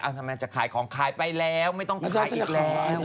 ทำไมจะขายของขายไปแล้วไม่ต้องขายอีกแล้ว